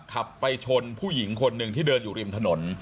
ขับไปชนผู้หญิงคนหนึ่งที่เดินอยู่ริมถนน